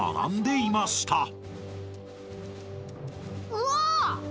うわ！